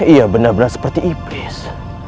iya benar benar seperti iblis